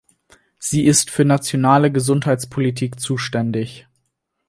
Sie ist für nationale Gesundheitspolitik zuständig.